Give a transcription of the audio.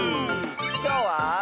きょうは。